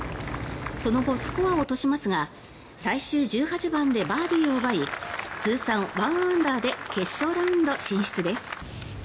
その後、スコアを落としますが最終１８番でバーディーを奪い通算１アンダーで決勝ラウンド進出です。